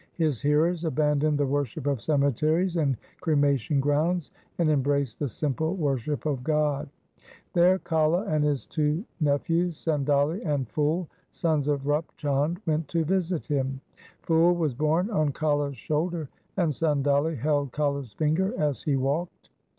His hearers abandoned the worship of cemeteries and cremation grounds, and embraced the simple worship of God. There Kala 294 THE SIKH RELIGION and his two nephews Sandali and Phul, sons of Rup Chand, went to visit him. Phul was borne on Kala's shoulder, and Sandali held Kala's finger as he walked.